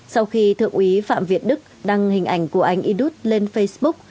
sau khi thượng úy phạm việt đức đăng hình ảnh của anh idut lên facebook